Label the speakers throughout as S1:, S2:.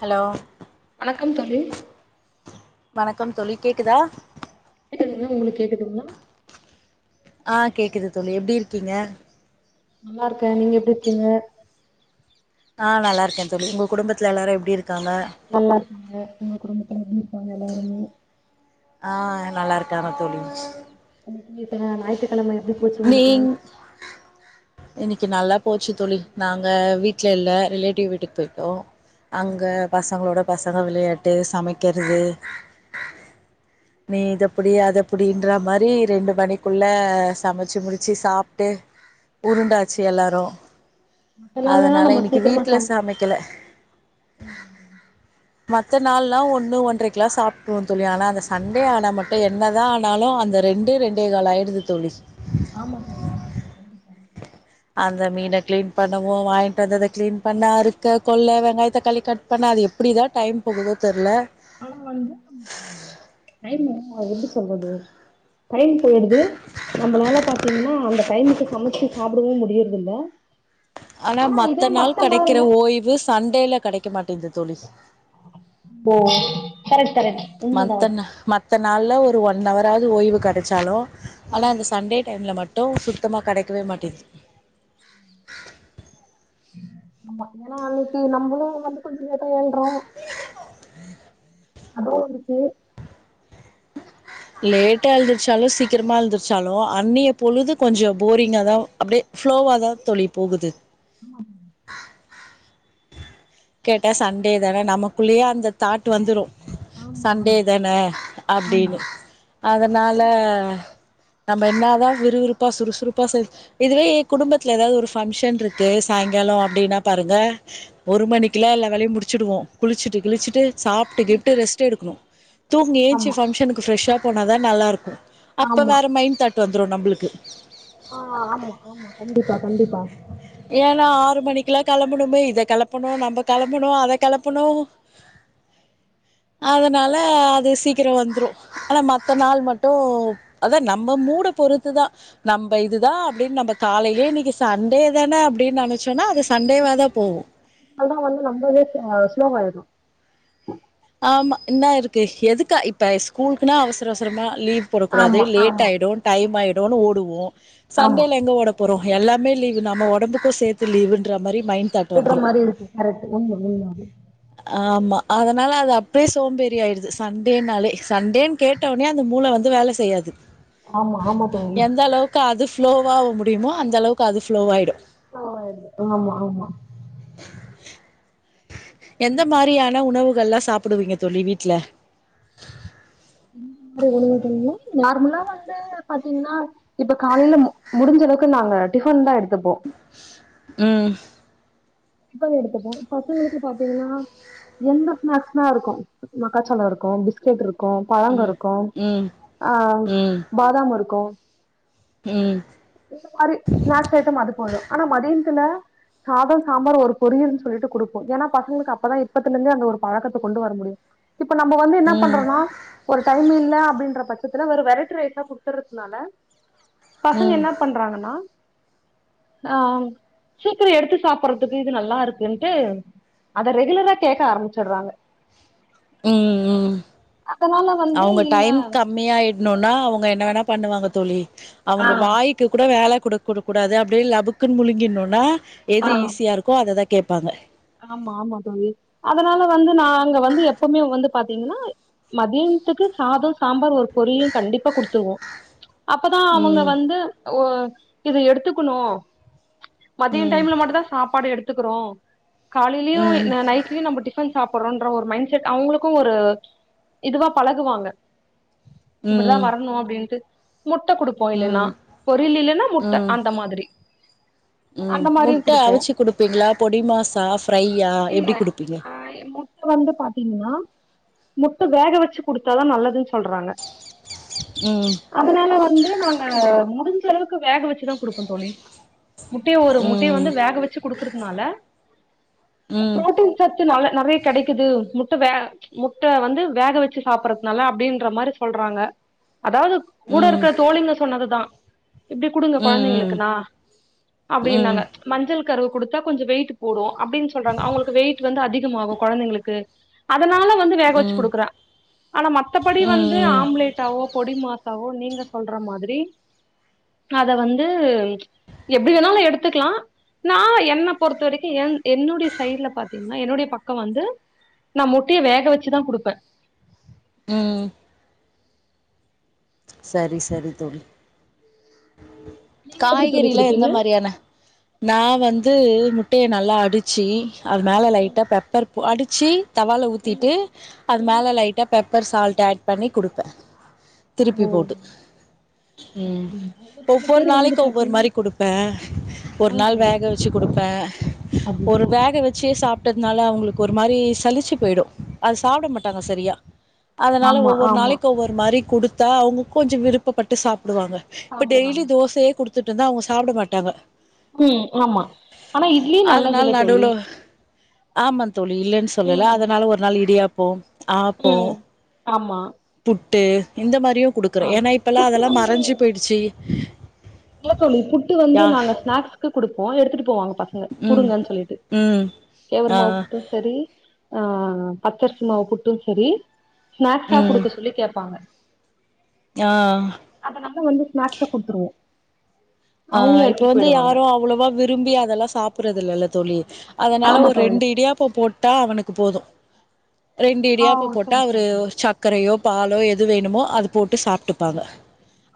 S1: hello
S2: வணக்கம் தோழி
S1: வணக்கம் தோழி கேக்குதா
S2: கேக்குதுங்களா உங்களுக்கு கேக்குதுங்களா
S1: அ கேக்குது தோழி எப்டி இருக்கீங்க
S2: நல்லா இருக்கே நீங்க எப்டி இருக்கீங்க
S1: ஆ நல்லாயிருக்கே தோழி உங்க குடும்பத்தில எல்லாரு எப்டி இருக்காங்க
S2: நல்லா இருக்காங்க உங்க குடும்பத்துல எப்டி இருக்காங்க எல்லாருமே
S1: அ நல்லா இருக்காங்க தோழி
S2: இப்ப ஞாயிற்றுக்கெழம எப்டி போச்சு உங்களுக்கு
S1: நீங் இன்னைக்கு நல்லா போச்சு தோழி நாங்க வீட்டுல இல்ல ரிலேட்டிவ் வீட்டுக்கு போயிட்டோ அங்க பசங்களோட பசங்க வெளையாட்டு சமைக்கிறது நீ இதபுடி அதபுடின்ற மாரி ரெண்டு மணிக்குள்ள சமைச்சு முடிச்சு சாப்ட்டு உருண்டாச்சு எல்லாரு
S2: மத்த நாளெல்லா
S1: அதனால
S2: நம்ம
S1: இன்னைக்கு
S2: சீக்கிரமா
S1: வீட்டில
S2: சம
S1: சமைக்கல மத்த நாள்லா ஒன்று ஒன்றரைக்கலா சாப்ட்ருவோ தோழி ஆனா அந்த சண்டே ஆனா மட்டு என்னதா ஆனாலு அந்த ரெண்டு ரெண்டு ரெண்டே கால் ஆயிடுது தோழி
S2: ஆமா தோழி ஆமா தோழி கண்டிப்பா
S1: அந்த மீன கிளீன் பண்ணுவோ வாங்கிட்டு வந்தத கிளீன் பண்ண அருக்க கொல்ல வெங்காயத்த தக்காளி கட் பண்ண அது எப்டி தா டைம் போகுதோ தெரில
S2: ஆனா [unintelligible] எப்டி சொல்றது டயம் போயிடுது நம்மளால பாத்தீங்கன்னா அந்த டைமுக்கு சமைச்சு சாப்டவு முடியறது இல்ல
S1: ஆனா மத்த நாள் கெடைக்கிற
S2: நாள்ல
S1: ஓய்வு சண்டேல கெடைக்க மாட்டிங்குது தோழி
S2: ஓ கரெக்ட் கரெக்ட் உண்மதா
S1: மத்த
S2: அது
S1: நா மத்த நாள்ல ஒரு ஒன் அவராது ஓய்வு கெடைச்சாலு
S2: ஆ,
S1: ஆனா அந்த சண்டே டைம்ல மட்டு சுத்தமா கெடைக்கவே மாட்டேது
S2: ஆமா ஏன்னா அன்னைக்கு நம்மளும் வந்து கொஞ்ச ஏதோ ஏல்றோ அதுவு உனக்கு
S1: லேட்டா எழுந்திருச்சாலு சீக்கிரமா எழுந்திருச்சாலு அன்னய பொழுது கொஞ்ச போரிங்கா தா அப்டியே ஃஸ்லோவா தா தோழி போகுது
S2: ஆமாம்
S1: கேட்டா சண்டே தான நமக்குள்ளேயே அந்த தாட் வந்துடு
S2: ஆமா
S1: சண்டே தான
S2: ஆமா
S1: அப்டின்னு அதனால நம்ம என்னாதா விறுவிறுப்பா சுறுசுறுப்பா செஞ் இதுவே எ குடும்பத்துல ஏதாவது ஒரு பங்க்ஷன் இருக்கு சாய்ங்காலோ அப்டின்னா பாருங்க ஒரு மணிக்குலா எல்ல வேலையு முடிச்சிடுவோ குளிச்சிட்டு கிளிச்சிட்டு சாப்ட்டு
S2: ஆமா
S1: கீப்ட்டு ரெஸ்ட் எடுப்போ தூங்கி ஏந்திருச்சி
S2: ஆமா
S1: பங்ஷனுக்கு ஃப்ரெஷ்ஷா போனாதா நல்லா இருக்கு அப்ப
S2: ஆமா
S1: வேற மைண்ட் தாட் [unintelligible] வந்துரு நம்மளுக்கு
S2: அ ஆமா ஆமா கண்டிப்பா கண்டிப்பா
S1: ஏன்னா ஆறு மணிக்ல்லா கெளம்பனு இத கெளப்பனு நம்ம கெளம்பனு அத கெளப்பனு [inaudible] அதனால அது சீக்ரோ வந்துரு ஆனா மத்த நாள் மட்டு அதா நம்ம மூட பொறுத்துதா நம்ம இதுதா அப்டின்னு நம்ம காலேயே இன்னைக்கு சண்டே தா வேணா அப்டின்னு நெனச்சோன்னா அது சண்டேவா தா போகு
S2: அதா வந்து நம்மதே ஸ்லோ ஆயிறு
S1: ஆமா என்ன இருக்கு எதுக்கா இப்ப ஸ்கூலுக்குன்னா அவசர அவசரமா லீவ் போடக்கூடாது
S2: ஆமா
S1: லேட்
S2: ஆமா
S1: ஆயிடு டைம் ஆயிடுனு ஓடுவோ
S2: ஆமா
S1: சண்டேல எங்க ஓட போறோ எல்லாமே லீவு நம்ம ஒடம்புக்கு சேத்து லீவுன்ற மாரி மைண்ட் தாட்
S2: விட்ற
S1: வந்துரு
S2: மாரி இருக்கு கரக்டு உங்க உண்து
S1: ஆமா அத அதனால அது அப்டியே சோம்பேறி ஆயிடுது சண்டேனாலே சண்டேன் கேட்டவுனே அந்த மூள வந்து வேல செய்யாது
S2: ஆமா ஆமா தோழி
S1: எந்த அளவுக்கு அது வ்ளோவாக முடியுமோ அந்த அளவுக்கு அது வ்ளோவாயிடு
S2: ஓ ஆமா ஆமா
S1: எந்த மாரியான உணவுகள்ல்லா சாப்டுவீங்க தோழி வீட்ல
S2: இந்த மாரி ஒன்றுமை [unintelligible] பண்ண நார்மலா வந்து இப்ப பாத்தீங்கனா இப்ப காலேல முடிஞ்ச அளவுக்கு நாங்க டிஃபன் தா எடுத்துப்போ
S1: ம்
S2: இப்பவே எடுத்துப்போ பசங்களுக்கு பாத்தீங்னா எந்த ஸ்நாக்ஸ்னா இருக்கு மக்காச்சோளோ இருக்கு பிஸ் பிஸ்கட் இருக்கு பழங்க
S1: ம்
S2: இருக்கு
S1: ம்
S2: ஆ பாதாம் இருக்கு
S1: உம்
S2: ஸ்நாக்ஸ் ஐட்டம் அது போயிடு ஆனா மதியானத்துல சாத சாம்பார் ஒரு பொரியல்னு சொல்லிட்டு குடுப்போ ஏன்னா பசங்களுக்கு அப்பதா இப்பத்தில இருந்தே அந்த ஒரு பழக்கத்த கொண்டு வர முடியு இப்ப நம்ம வந்து என்னா
S1: ம்
S2: பண்றோனா ஒரு டைம் இல்ல அப்டின்ற பச்ச ஒரு வெரைட்டி ரைஸா குடுத்துறதுனால பசங்க
S1: ம்
S2: என்னா பண்றாங்கனா ஆ சீக்கிரோ எடுத்து சாப் பிட்றதுக்கு இது நல்லா இருக்குன்ட்டு அத ரெகுலரா கேக்க ஆரம்பிச்சிற்றாங்க
S1: உம் உம்
S2: அதனால வந்து
S1: அவுங்க
S2: இல்ல
S1: டைம்க்கு அப் கம்மியாயிடனுனா அவுங்க என்ன வேணா பண்ணுவாங்க தோழி
S2: ஆ
S1: அவுங்க வாய்க்கு கூட வேல குடுக்க கூடாக் கூடாது அப்டினா லபக்குனு முழுங்கினுன்னா
S2: ஆ
S1: எது ஈஸியா இருக்கோ அததா கேப்பாங்க
S2: ஆமா ஆமா தோழி அதனால வந்து நா அங்க வந்து எப்பவுமே வந்து பாத்தீங்னா மதியானத்துக்கு சாதோ சாம்பார் ஒரு பொறியல் கண்டிப்பா குடுத்துருவோ அப்பதா அவுங்க
S1: ம்
S2: வந்து ஓ இத எடுத்துக்கனு மதிய
S1: ம்
S2: டைம்ல மட்டுந்தா சாப்பாடு எடுத்துக்கறோ காலேயிலயு
S1: ம்
S2: நைட்லயு நம்ம ன் சாப்டுறன்ற ஒரு மைண்ட செட் அவுங்களுக்கு ஒரு இதுவா பழகுவாங்க இப்டிதா
S1: ம்
S2: வரனு அப்டின்ட்டு முட்ட குடுப்போ இல்லைன்னா
S1: ம்
S2: பொரியல் இல்லைன்னா முட்ட
S1: ம்
S2: அந்த மாதிரி அந்த மாரியு குடுப்போ
S1: ப்பீங்ளா பொடிமாசா ஃப்ரையா
S2: இல்ல
S1: எப்டி குடுப்பீங்க
S2: ஆ முட்ட வந்து பாத்தீங்னா முட்ட வேக வச்சு குடுத்தாதா நல்லதுன் சொல்றாங்க
S1: உம்
S2: அதனால வந்து நாங்க முடிஞ்ச அளவுக்கு வேக வெச்சுதா குடுப்போ தோழி முட்டய ஒரு முட்டய
S1: ம்
S2: வந்து வேக வெச்சு குடுக்குறதுனால
S1: ம்
S2: பு்ரோட்டீன் சத்துனால நெறைய கெடைக்குது முட்ட வே முட்ட வந்து வேக வெச்சு சாப்பறதுனால அப்டின்ற மாரி சொல்றாங்க அதாவ்து கூட
S1: ம்
S2: இருக்கற தோழிங்க சொன்னதுதா இப்டி குடுங்க
S1: ம்
S2: கொழந்தைங்களுக்குனா
S1: ம்
S2: அப்டினாங்க மஞ்சள் கருவ குடுத்தா கொஞ்ச வெயிட்டு போடு அப்டின் சொல்றாங்க அவுங்களுக்கு வெயிட் வந்து அதிகமாகு கொழந்தைங்களுக்கு அதனால வந்து வேக வெச்சு
S1: ம்
S2: குடுக்கறே ஆனா மத்தபடி வந்து
S1: ம்
S2: ஆம்லேடட்டாவோ பொடி மாசாவோ நீங்க சொல்ற மாத்ரி அத வந்து எப்டி வேணாலு எடுத்துக்கலா நா என்ன பொறுத்த வரைக்கு என் என்னுடைய சைட்ல பாத்தீங்கன்னா என்னுடைய சைட்ல பாத்தீங்கன்னா என்னுடைய பக்கோ வந்து நா முட்டைய வேக வெச்சுதா குடுப்பே
S1: ம் சரி சரி தோழி
S2: நீங்க எப்டி தோழி
S1: காய்கறிலா எந்த
S2: குடுப்பீங்க
S1: மாரியான நா வந்து முட்டைய நல்லா அடிச்சி அது மேலே லைட்டா பெப்பர் போ அடிச்சி தவால ஊத்திட்டு அது மேல லைட்டா பெப்பர் சால்ட்ட ஏட் பண்ணி குடுப்பே திருப்பி
S2: ஓ
S1: போட்டு ம்
S2: அப்டிங்களா ஒரு சில
S1: ஒவ்வொரு
S2: பேர் வந்து
S1: நாளைக்கு ஒவ்வொரு
S2: பாத்தீங்க
S1: மாரி குடுப்பே ஒரு நாள்
S2: ஆஹா
S1: வேக வெச்சு குடுப்பே ஒரு
S2: அப்டிங்களா
S1: வேக வெ ச்சு சாப்ட்டதுனால அவுங்களுக்கு ஒரு மாரி சளிச்சு போயிடு அது சாப்ட மாட்டாங்க சரியா அதனால
S2: ஆமா
S1: ஒவ்வொரு
S2: ஆமா
S1: நாளைக்கு ஒவ்வொரு மாரி குடுத்தா அவுங்க கொஞ்ச விருப்பப்பட்டு சாப்டுவாங்க இப்ப டெய்லி
S2: சாப்டுவாங்க
S1: தோசையே குடுத்துட்ருந்தா அவுங்க சாப்பிட மாட்டாங்க
S2: ம் ஆமா ஆனா இட்லி நல்லதில்ல தோழி
S1: ஆமாந் தோழி இல்லன் சொல்லல
S2: ம்
S1: அதனால ஒரு நாள் இடியாப்போ ஆப்போ
S2: ம் ஆமா
S1: புட்டு இந்த மாரியு குடுக்குறே
S2: ஆ
S1: ஏனா இப்பெல்லா
S2: புட்டு
S1: அதெல்லா
S2: வந்து
S1: மறஞ்சு போயிடுச்சு
S2: இல்ல தோழி புட்டு வந்து
S1: யா
S2: நாங்க ஸ்னாக்ஸ்கு குடுப்போ எடுத்துட்டு போவாங்க பச ங்க
S1: ம்
S2: குடுங்கன் சொல்லிட்டு
S1: ம் ஆ
S2: கேழ்வரமாவ் புட்டு சரி ஆ பச்சரிசி மாவு புட்டு சரி ஸ்னாக்ஸா
S1: ம்
S2: குடுக்க சொல்லி கேப்பாங்க
S1: ஆ
S2: அப்ப நம்ம வந்து ஸ்னாக்ஸா குடுத்துருவோ
S1: ஆ
S2: அவங்களு
S1: இப்ப
S2: எடுத்துட்டு
S1: வந்து
S2: போயிடுவாங்க
S1: யாரு அவ்ளவா விரும்பி அதெல்லா சாப்பறது இல்லல்ல தோழி அதனால
S2: ஆமா
S1: ஒரு
S2: தோழி
S1: ரெண்டு இடியாப்போ போட்டா அவனுக்கு போது ரெண்டு
S2: ஆ
S1: இடியாப்ப
S2: ஓ
S1: போட்டா
S2: சரி சரி
S1: அவரு
S2: சரி
S1: சர்க்கரையோ பாலோ எது வேணுமோ அது போட்டு சாப்ட்டுப்பாங்க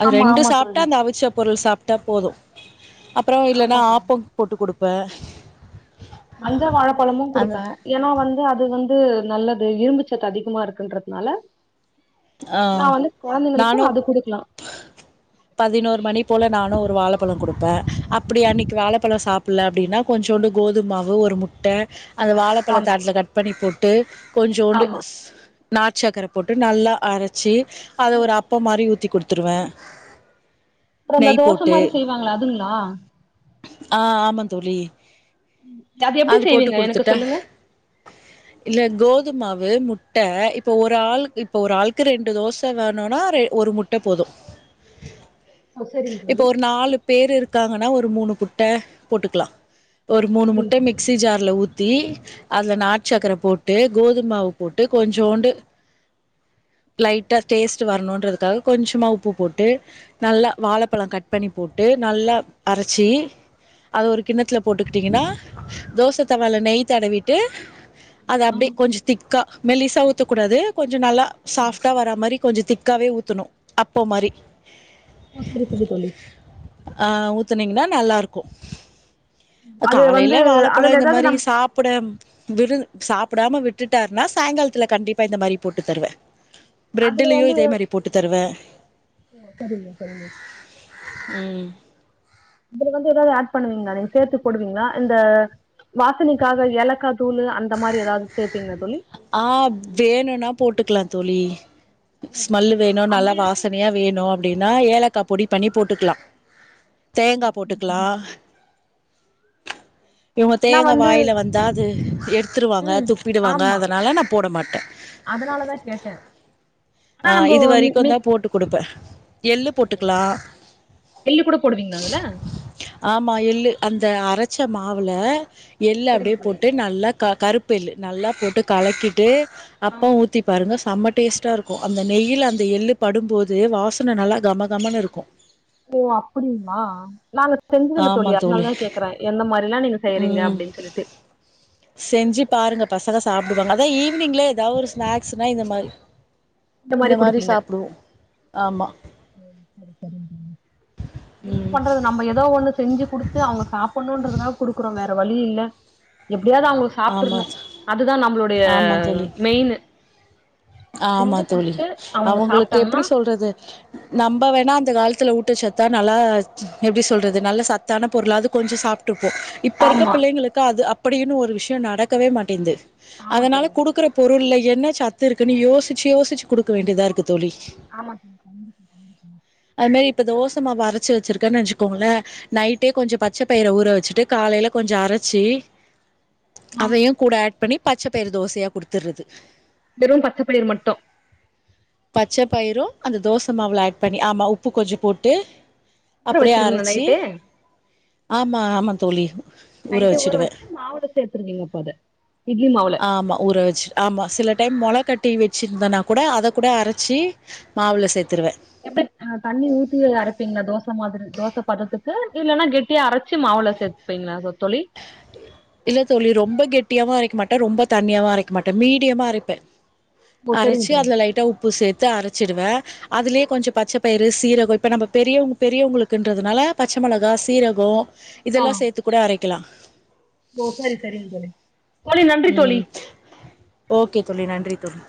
S1: அது
S2: ஆமா
S1: ரெண்டு
S2: ஆமா
S1: சாப்ட்டா
S2: தோழி
S1: அந்த அவிச்சா பொருள் சாப்ட்டா போது அப்றோ இல்லைன்னா
S2: ஆமா தோழி
S1: ஆப்போ போட்டு குடுப்பே
S2: மஞ்ச வாழப்பழமு
S1: அந்த
S2: குடுப்பே ஏனா வந்து அது வந்து நல்லது இரும்பு சத்து அதிகமா இருக்குன்றனால
S1: ஆ
S2: நா வந்து கொழந்தைங்களுக்கு
S1: நானும்
S2: அது குடுக்லா
S1: பதினோரு மணி போல நானு ஒரு வாழப்பழோ குடுப்பே அப்டி அன்னைக்கு வாழப்பழோ சாப்பல்ல அப்டின்னா கொஞ்சோண்டு கோதுமாவு ஒரு முட்ட அந்த வாழப்பழத்த
S2: ஆமா
S1: அத்ல கட் பண்ணி போட்டு கொஞ்சோண்டு
S2: ஆமா
S1: நாட்ச்சக்கர போட்டு நல்லா அரச்சி அத ஒரு
S2: ம்
S1: அப்பம் மாரி ஊத்தி குடுத்துருவே
S2: அப்றோ இந்த
S1: நெய்
S2: தோச
S1: போட்டு
S2: மாரி செய்வாங்கள அதுங்களா
S1: ஆ ஆமாந் தோழி
S2: அது எப்டி
S1: அதுப்போட்டு
S2: செய்வீங்க எனக்கு
S1: குடுத்துட்டே
S2: சொல்லுங்க
S1: இல்ல கோதும்மாவு முட்ட இப்ப ஒரு ஆள் இப்ப ஒரு ஆளுக்கு ரெண்டு தோச வேணுனா ரெ ஒரு முட் ட போது
S2: ஓ சரிங்க
S1: இப்ப
S2: தோழி
S1: ஒரு நாலு பேர் இருக்காங்கன்னா ஒரு மூணு முட்ட போட்டுக்லா ஒரு மூணு
S2: சரிங்க
S1: முட்டய
S2: தோழி
S1: மிக்ஸி ஜார்ல ஊத் தி அதுல நாட்டு
S2: சரி
S1: சக்கர போட்டு கோதும்மாவு போட்டு கொஞ்சோண்டு லைட்டா டேஸ்ட் வரணுன்றதுக்காக கொஞ்சமா உப்பு போட் டு நல்லா வாழப்பழம் கட் பண்ணி போட்டு நல்லா அரச்சி அத ஒரு கிண்ணத்துல போட்டுக்கிட்டிங்கன்னா தோச தவால நெய் தடவிட்டு அது
S2: ஆ
S1: அப்டியே கொஞ்சோ திக்கா மெலிஸா ஊத்த கூடாது கொஞ்சோ நல்லா சாஃப்டா வர மாரி கொஞ்சோ திக்காவே ஊத்தணு அப்பம் மாரி
S2: ஆ செரி சொல்லு தோழி
S1: அ ஊத்தனீங்கன்னா நல்லாருக்கு
S2: அது வந்து
S1: காலையிலே வாழப்பழம்
S2: அதுல
S1: இந்த
S2: ஏதாவது
S1: மாரி
S2: நம்
S1: சாப்புட விருந் சாப்படாம விட்டுட்டாருன்னா சாயங்காலத்துல கண்டிப்பா இந்த மாரி போட்டுத் தருவே பிரெட்லயு இதே மாரி போட்டு தருவே
S2: ஓ சரிங்க சரிங்க
S1: ம்
S2: இதுல வந்து ஏதாவது ஆட் பண்ணுவீங்களா நீங்க சேத்து போடுவீங்களா இந்த வாசனைக்காக ஏலக்கா தூளு அந்த மாரி எதாவது சேப்பீங்களா தோழி
S1: ஆ வேணும்னா போட்டுக்கலா தோழி ஸ்மெல்லு வேணு நல்லா
S2: அப்டி இருக்கு
S1: வாசனையா வேணு அப்டின்னா ஏலக்கா பொடி பண்ணி போட்டுக்களா தேங்கா
S2: அது
S1: போட்டுக்கலா
S2: சரி
S1: இவங்க
S2: நா
S1: தேங்கா
S2: வந்து
S1: வாயில வந்தாது எத்துருவாங்க
S2: ம்
S1: துப்பிடுவாங்க
S2: ஆமா
S1: அதனால நா போட மாட்டே
S2: அதனாலதா கேட்டே ஆனா
S1: ஆ
S2: நம்போ
S1: இது வரைக்கு
S2: மி
S1: தா போட்டு குடுப்பே எள்ளு போட்டுக்ளா
S2: எள்ளு கூட போடுவீங்களா அதுல
S1: ஆமா எளு அந்த அரச்ச மாவுல எள்
S2: சரிங்க
S1: அப்டியே
S2: தோழி
S1: போட்டு நல்லா க கருப்பு எள்ளு நல்லா போட்டு கலக்கிட்டு
S2: ஆ
S1: அப்ப ஊத்தி பாருங்க சம்ம டேஸ்ட்டா இருக்கு அந்த நெய்யில அந்த எள்ளு படும்போது வாசன நல்லா கமகமன்னு இருக்கு
S2: ஓ அப்டிங்ளா நாங்க செஞ்சதில்ல தோழி அதுனால தா கேக்குறே எந்த மாதிரில்லா நீங்க செய்றீங்க
S1: ம்
S2: அப்டின் சொல்லிட்டு
S1: செஞ்சு பாருங்க பசங்க சாப்டுவாங்க அதா ஈவ்னிங்ல எதா ஒரு ஸ்நாக்ஸ்னா இந்த மாரி இந்த மாரி சாப்டுவோ ஆமா
S2: என்ன
S1: ம்
S2: பண்றது நம்ம எ தோ ஒண்ணு செஞ்சு குடுத்து அவங்க சாப்புணும்ன்றதாக குடுக்குறோ வேற வழி இல்ல எப்டியாது அவங்க
S1: ஆமா
S2: சாப்ட்ருணோ அதுதா நம்மளுடைய
S1: ஆமா தோழி
S2: மெயினு
S1: ஆமா
S2: செஞ்சு
S1: தோழி
S2: குடுத்து அவங்க
S1: அவுங்களுக்கு
S2: சாப்ட்டாங்கன்னா
S1: எப்டி சொல்றது நம்ம வேணா அந்த காலத்துல ஊட்டச்சத்தா நல்லா எப்டி சொல்றது நல்ல சத்தான பொருளாது கொஞ்சோ சாப் ட்ருப்போ இப்ப இருக்க
S2: ஆமா
S1: பிள்ளைங்களுக்கு அது அப்டின் ஒரு விஷயோ நடக்கவே மாட்டேன்து
S2: ஆமா
S1: அதுனால
S2: தோழி
S1: குடுக்கற பொருள்ல என்ன சத்து இருக்குன்னு யோசிச்சு யோசிச்சு குடுக்க வேண்டியதா இருக்கு தோழி
S2: ஆமா உ தம்பிக்கு எப்டி இருக்கு
S1: அந் மேரி இப்ப தோசமாவு அரச்சு வெச்சிருக்கேன் நெஞ்ச்சுக்கோங்களே நைட்டே கொஞ்சோ பச்ச பயிர ஊற வெச்சிட்டு காலையில கொஞ்சோ அரச்சி
S2: ஆ
S1: அவையு கூட ஆட் பண்ணி பச்சப்பயிரு தோசையா குடுத்துறது
S2: வெறு பச்சப்பயிறு மட்டு
S1: பச்ச பயிரும் அந்த தோச மாவுல ஆட் பண்ணி ஆமா உப்பு கொஞ்சோ போட்டு
S2: ஊற
S1: அப்டியே
S2: வச்சிருவீங்களா
S1: அரச்சி
S2: நைட்டே
S1: ஆமா ஆமா தோழி ஊற
S2: நைட்டே
S1: வெச்சுடுவே
S2: வச்சுட்டு மாவுல சேத்துருவீங்க அப்ப அத இட்லி மாவுல
S1: ஆமா ஊற வெச் ஆமா சில டைம் மொள கட்டி வெச்சுருந்தனா கூட அத கூட அரைச்சி மாவில சேத்துருவே
S2: எப்டி தண்ணி ஊத்தி அரைப்பீங்களா தோச மாதிரி தோச பத்தத்துக்கு இல்லன்னா கெட்டியா அரச்சு மாவுள சே ப்பீங்ளா அத தோழி
S1: இல்ல தோழி ரொம்ப கெட்டியாவாவு அரைக்க மாட்டே ரொம்ப தண்ணியாவு அரைக்க மாட்டே மீடியம்மா அரைப்பே
S2: ஓ சரிங்க
S1: அரச்சு
S2: தோழி
S1: அதுல லைட்டா உப்பு சேத்து அரச்சிடுவே அதுலயே கொஞ்ச பச்ச பயிறு சீரகம் இப்ப நம்ம பெரியவங் பெரியவங்ளுக்குன்றனால பச்ச மொளகாயா சீரகோ இதெல்லா சேத்து கூட அரைக்கலா
S2: போ சரி சரிங் தோழி தோழி நன்றி தோழி
S1: ம் ஓகே தோழி நன்றி தோழி